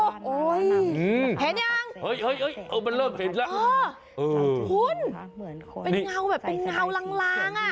คุณเป็นเงาแบบแบบเป็นเงาลางอ่ะ